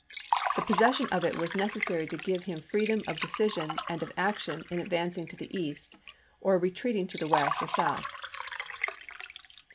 The possession of it was necessary to give him freedom of decision and of action in advancing to the East, or retreating to the West or South.